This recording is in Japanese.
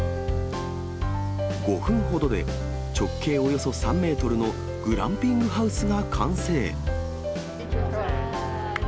５分ほどで、直径およそ３メートルのグランピングハウスが完成。